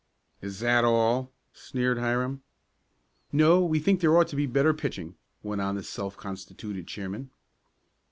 "Is that all?" sneered Hiram. "No, we think there ought to be better pitching," went on the self constituted chairman.